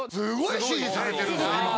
凄い支持されてるんで今。